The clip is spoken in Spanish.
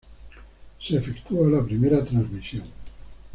Se efectúa la primera transmisión.